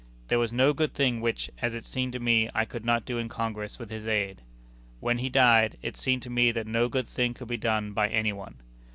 There was no good thing which, as it seemed to me, I could not do in Congress with his aid. When he died, it seemed to me that no good thing could be done by any one.